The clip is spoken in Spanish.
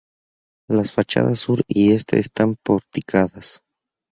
Las fachadas sur y este están porticadas.